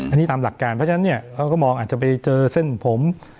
อันนี้ตามหลักการเพราะฉะนั้นเนี่ยเขาก็มองอาจจะไปเจอเส้นผม